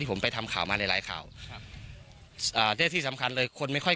ที่ผมไปทำข่าวมาหลายเขาอาจจะสำคัญเลยคนไม่ค่อย